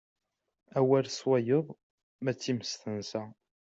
Awal s wayeḍ, ma d times tensa.